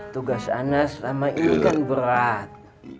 tugas ana selama ini kan berat